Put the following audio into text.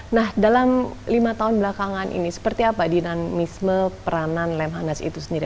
nah dalam lima tahun belakangan ini seperti apa dinamisme peranan lemhanas itu sendiri